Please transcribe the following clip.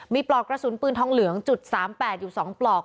มีปลอกกระสุนปืนทองเหลืองจุดสามแปดอยู่สองปลอก